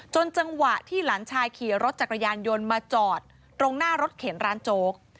จังหวะที่หลานชายขี่รถจักรยานยนต์มาจอดตรงหน้ารถเข็นร้านโจ๊ก